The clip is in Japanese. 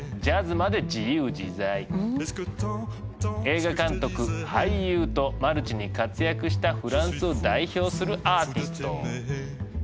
映画監督俳優とマルチに活躍したフランスを代表するアーティスト。